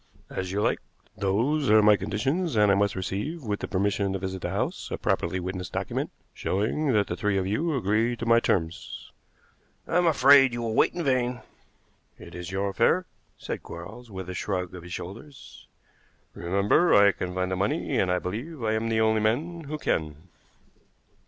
"As you like. Those are my conditions, and I must receive with the permission to visit the house a properly witnessed document, showing that the three of you agree to my terms." "I am afraid you will wait in vain." "It is your affair," said Quarles, with a shrug of his shoulders. "Remember I can find the money, and I believe I am the only man who can."